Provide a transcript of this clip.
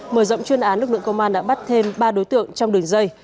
mở rộng chuyên án lực lượng công an đã bắt thêm ba đối tượng trong đường dây